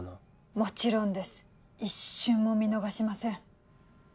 もちろんです一瞬も見逃しません。